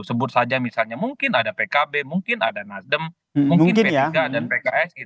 sebut saja misalnya mungkin ada pkb mungkin ada nasdem mungkin p tiga dan pks